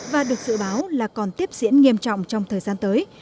và được dự báo là còn tiếp diễn nghiêm trọng trong thời gian tới